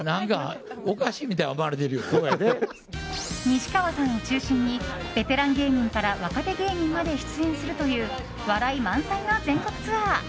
西川さんを中心にベテラン芸人から若手芸人まで出演するという笑い満載の全国ツアー。